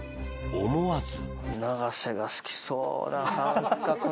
思わず。